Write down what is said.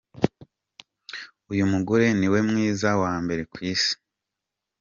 Uyu mugore niwe mwiza wa mbere ku isi.